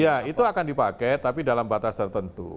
ya itu akan dipakai tapi dalam batas tertentu